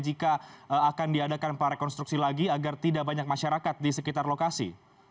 jika akan diadakan prarekonstruksi lagi agar tidak banyak masyarakat di sekitar lokasi